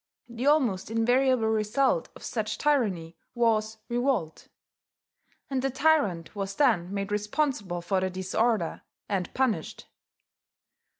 The almost invariable result of such tyranny was revolt; and the tyrant was then made responsible for the disorder, and punished.